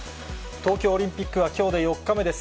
東京オリンピックはきょうで４日目です。